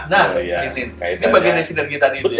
nah ini bagian dari sinar kita gitu ya